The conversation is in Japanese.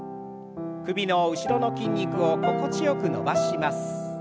首の後ろの筋肉を心地よく伸ばします。